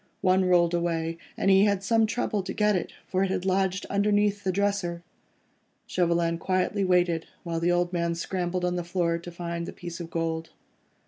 One rolled away, and he had some trouble to get it, for it had lodged underneath the dresser. Chauvelin quietly waited while the old man scrambled on the floor, to find the piece of gold.